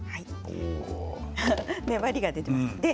粘りが出ています。